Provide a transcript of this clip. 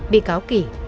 bị cáo kì